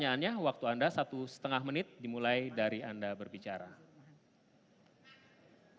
bagaimana langkah anda mengembangkan sektor informal di jakarta sebagai bagian dari sumber daya perkotaan